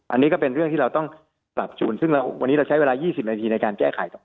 อันนี้ก็เป็นเรื่องที่เราต้องหลับการวันนี้เราใช้เวลา๒๐นาทีในการแจ้ไขตรงนั้น